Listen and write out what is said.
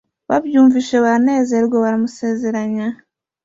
babyumvise baranezerwa bamusezeranya